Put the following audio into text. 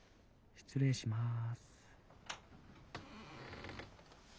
失礼します。